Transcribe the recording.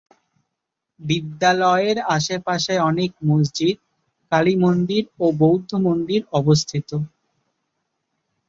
বিদ্যালয়ের আশে পাশে অনেক মসজিদ, কালী মন্দির ও বৌদ্ধ মন্দির অবস্থিত।